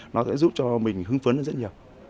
nó sẽ giúp cho mình hưng phấn lên rất nhiều